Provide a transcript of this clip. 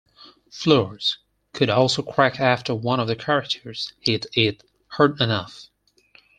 Floors could also crack after one of the characters hit it hard enough.